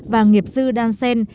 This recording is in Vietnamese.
và nghiệp dư đan sen